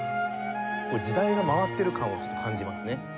時代が回ってる感をちょっと感じますね。